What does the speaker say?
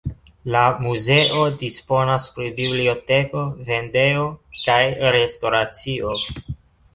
La muzeo disponas pri biblioteko, vendejo kaj restoracio.